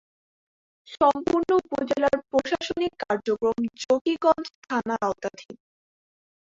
সম্পূর্ণ উপজেলার প্রশাসনিক কার্যক্রম জকিগঞ্জ থানার আওতাধীন।